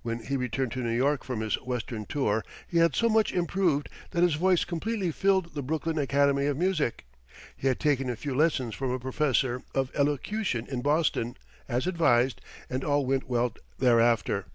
When he returned to New York from his Western tour, he had so much improved that his voice completely filled the Brooklyn Academy of Music. He had taken a few lessons from a professor of elocution in Boston, as advised, and all went well thereafter.